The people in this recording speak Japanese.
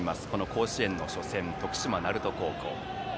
甲子園の初戦、徳島・鳴門高校。